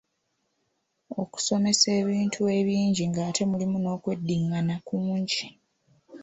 Okusomesa ebintu ebingi ng’ate mulimu n’okweddingana kungi.